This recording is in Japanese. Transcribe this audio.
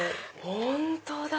本当だ！